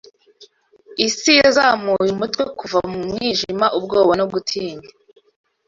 isi yazamuye umutwe Kuva mu mwijima ubwoba no gutinya